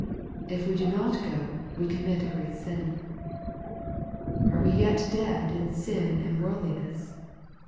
If we do not go r we commit a great sin. Are we yet dead in sin and worldliness